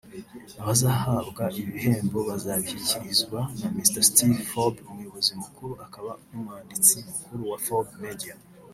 Abazahabwa ibi bihembo bazabishyikirizwa na Mr Steve Forbes umuyobozi mukuru akaba n’umwanditsi mukuru wa Forbes Media